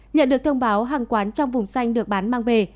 nhận được thông báo hàng quán trong vùng xanh được bán mang về